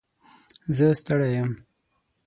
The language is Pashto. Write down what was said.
زه ستړی یم.